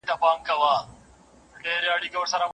زما پر تږو سترګو رویبار څو ځله ژړلي دي